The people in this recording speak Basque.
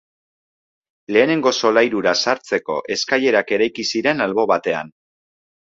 Lehenengo solairura sartzeko eskailerak eraiki ziren albo batean.